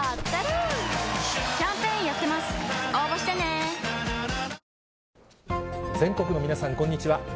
「颯」全国の皆さん、こんにちは。